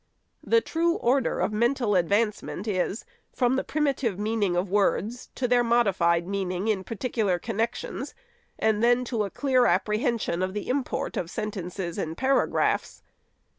The true order of mental advance ment is, from the primitive meaning of words to their modified meaning in particular connections, and then to a clear apprehension of the import of sentences and para graphs.